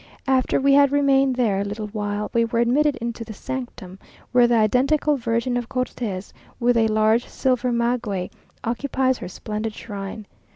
After we had remained there a little while, we were admitted into the Sanctum, where the identical Virgin of Cortes, with a large silver maguey, occupies her splendid shrine.